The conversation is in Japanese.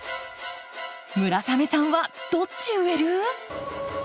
村雨さんはどっち植える？